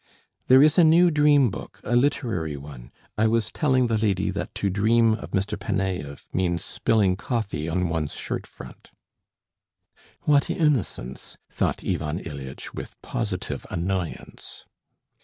"There is a new 'dream book,' a literary one. I was telling the lady that to dream of Mr. Panaev means spilling coffee on one's shirt front." "What innocence!" thought Ivan Ilyitch, with positive annoyance.